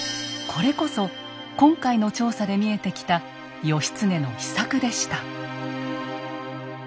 これこそ今回の調査で見えてきた義経の秘策でした。